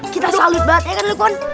kita salut banget ya kan lekon